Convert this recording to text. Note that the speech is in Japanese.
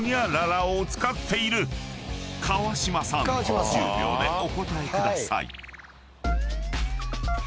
［川島さん１０秒でお答えください］